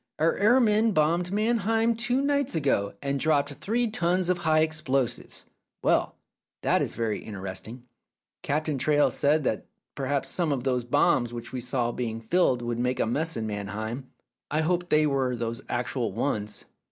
Our air men bombed Mannheim two nights ago, and dropped three tons of high explosives. Well, that is very interesting. Captain Traill said that perhaps some of those bombs which we saw being filled would make a mess in Mannheim. I hope they were those actual ones."